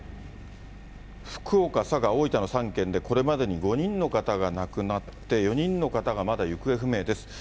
福岡、佐賀、大分の３県でこれまでに５人の方が亡くなって、４人の方がまだ行方不明です。